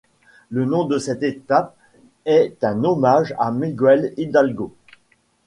Le nom de cet État est un hommage à Miguel Hidalgo.